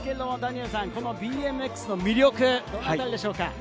このＢＭＸの魅力、どのあたりでしょうか？